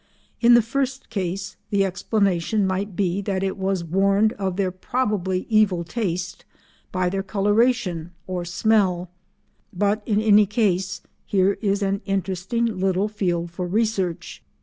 In the first case the explanation might be that it was warned of their probably evil taste by their coloration or smell, but in any case here is an interesting little field for research.